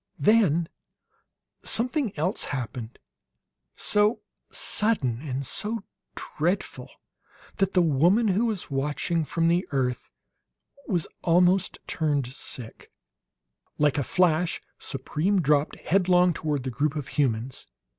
Then something else happened so sudden and so dreadful that the woman who was watching from the earth was turned almost sick. Like a flash Supreme dropped, headlong, toward the group of humans.